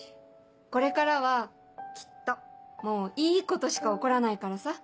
これからはきっともういいことしか起こらないからさ。